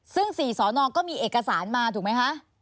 ซึ่ง๔สอนอก็มีเอกสารมาถูกไหมคะ